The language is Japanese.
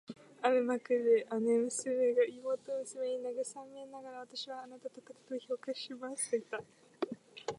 ある幕で姉娘が妹娘を慰めながら、「私はあなたを高く評価します」と言った